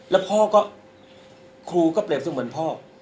แล้วพ่อก็ครูก็เปรียบเสมือนพ่อ